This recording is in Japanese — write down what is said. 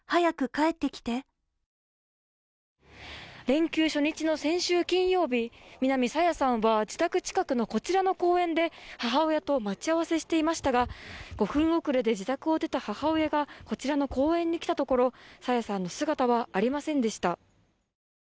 連休初日の先週金曜日、南朝芽さんは自宅近くのこちらの公園で母親と待ち合わせしていましたが５分遅れで自宅を出た母親がこちらの公園に来たところ朝芽さんの姿はありませんでした